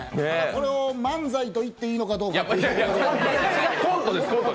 これを漫才といっていいのか。